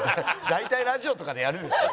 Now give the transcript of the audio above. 大体ラジオとかでやるでしょ。